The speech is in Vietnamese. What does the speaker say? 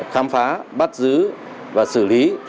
khám phá bắt giữ và xử lý